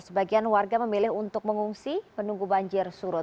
sebagian warga memilih untuk mengungsi menunggu banjir surut